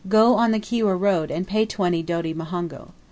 Go on the Kiwyeh road and pay twenty doti muhongo.